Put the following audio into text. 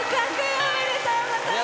おめでとうございます。